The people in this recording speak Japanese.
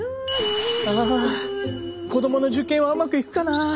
あ子どもの受験はうまくいくかな。